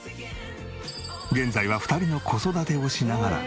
現在は２人の子育てをしながら。